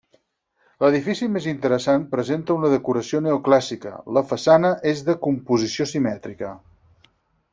L'edifici més interessant presenta una decoració neoclàssica, la façana és de composició simètrica.